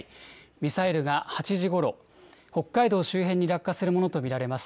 ミサイルが８時ごろ、北海道周辺に落下するものと見られます。